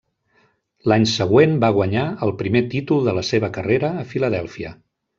L'any següent va guanyar el primer títol de la seva carrera a Filadèlfia.